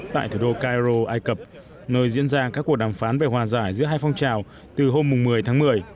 tại thủ đô cairo ai cập nơi diễn ra các cuộc đàm phán về hòa giải giữa hai phong trào từ hôm một mươi tháng một mươi